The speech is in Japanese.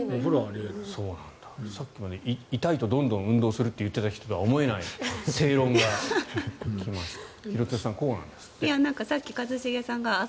さっきまで痛いとどんどん運動するといっていた人とは思えない正論が来ました。